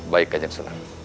baik kajak senang